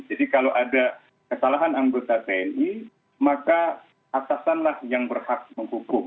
jadi kalau ada kesalahan anggota tni maka atasanlah yang berhak menghukum